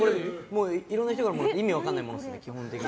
いろいろな人からもらった意味分からないものですね。